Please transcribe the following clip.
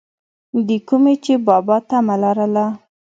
دَکومې چې بابا طمع لرله،